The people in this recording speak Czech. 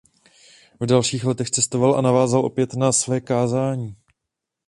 V dalších letech cestoval a navázal opět na své kázání.